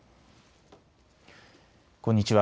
こんにちは。